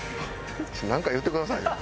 なんか言ってくださいよ。